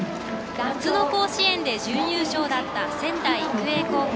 夏の甲子園で準優勝だった仙台育英高校。